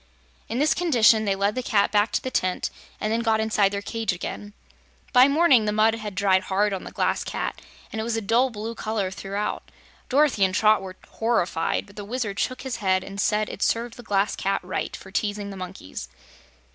In this condition they led the pussy back to the tent and then got inside their cage again. By morning the mud had dried hard on the Glass Cat and it was a dull blue color throughout. Dorothy and Trot were horrified, but the Wizard shook his head and said it served the Glass Cat right for teasing the monkeys.